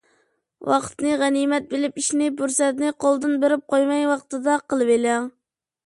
ۋاقىتنى غەنىيمەت بىلىپ، ئىشنى پۇرسەتنى قولدىن بېرىپ قويماي ۋاقتىدا قىلىۋېلىڭ.